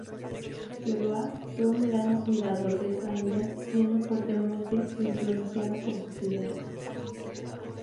Kerouac fue un gran admirador de Snyder, siendo fuertemente influenciado por sus ideas.